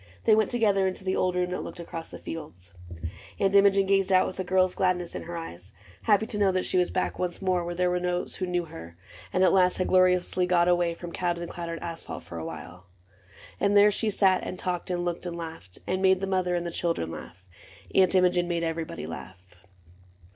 They went together into the old room That looked across the fields ; and Imogen Gazed out with a girl's gladness in her eyes, Happy to know that she was back once more Where there were those who knew her, and at last Had gloriously got away again From cabs and clattered asphalt for a while ; no AUNT IMOGEN And there she sat and talked and looked and laughed And made the mother and the children laugh. Aunt Imogen made everybody laugh.